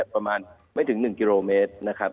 ประมาณไม่ถึง๑๐๐๐๐๐๐กิโลเมตร